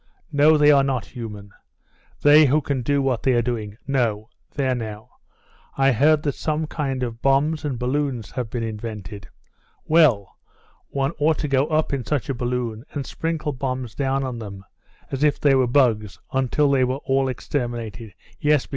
"No, they are not human, they who can do what they are doing No There, now, I heard that some kind of bombs and balloons have been invented. Well, one ought to go up in such a balloon and sprinkle bombs down on them as if they were bugs, until they are all exterminated Yes.